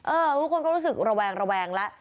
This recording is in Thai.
เออทุกคนก็รู้สึกระแวงแล้ว